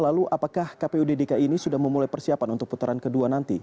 lalu apakah kpud dki ini sudah memulai persiapan untuk putaran kedua nanti